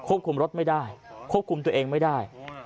คุมรถไม่ได้ควบคุมตัวเองไม่ได้